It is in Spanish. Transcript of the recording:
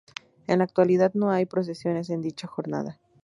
En la actualidad no hay procesiones en dicha jornada.